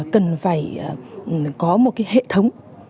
cần phải có một cái hệ thống